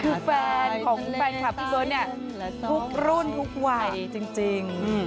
คือแฟนของแฟนคลับพี่เบิร์ตเนี่ยทุกรุ่นทุกวัยจริง